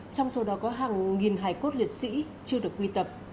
trong số đó có hàng nghìn hải cốt liệt sĩ chưa được quy tập